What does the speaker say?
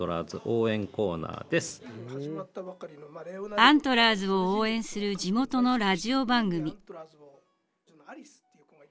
アントラーズを応援する地元のラジオ番組。